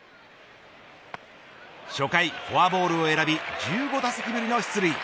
初回フォアボールを選び１５打席ぶりの出塁。